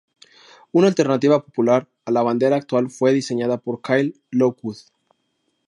Una alternativa popular a la bandera actual fue diseñada por Kyle Lockwood.